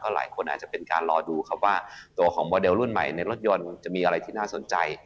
หลายคนอาจจะเป็นการรอดูครับว่าตัวของโมเดลรุ่นใหม่ในรถยนต์จะมีอะไรที่น่าสนใจ